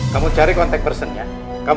kamu cari kontak personnya